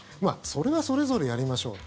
それは、それぞれやりましょう。